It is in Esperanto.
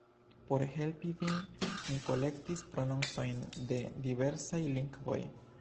Por helpi vin, ni kolektis prononcojn de diversaj lingvoj.